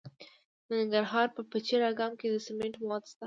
د ننګرهار په پچیر اګام کې د سمنټو مواد شته.